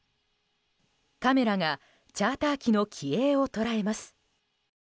カメラがチャーター機の機影を捉えます。